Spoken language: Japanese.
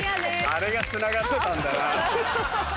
あれがつながってたんだな。